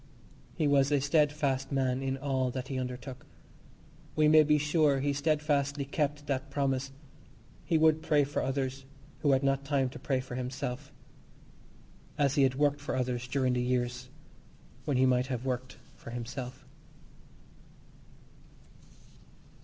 He was a steadfast man in all that he undertook. We may be sure he steadfastly kept that promise. He would pray for others, who had not time to pray for himself, as he had worked for others during the years when he might have worked for himself.